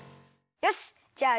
よしじゃあ